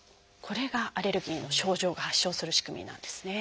これがアレルギーの症状が発症する仕組みなんですね。